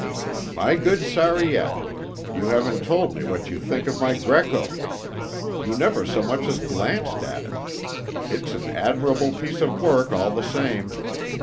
"My good Sariette, you haven't told me what you think of my Greco. You never so much as glanced at it. It is an admirable piece of work all the same."